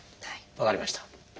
分かりました。